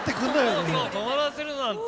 そうそうとまらせるなんて。